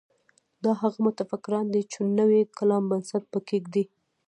دا هغه متفکران دي چې نوي کلام بنسټ به کېږدي.